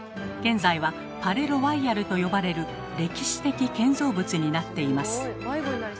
現在は「パレ・ロワイヤル」と呼ばれる歴史的建造物になっています。